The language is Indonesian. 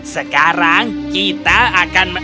sekarang kita akan